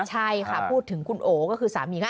ใช่ค่ะพูดถึงคุณโอก็คือสามีก็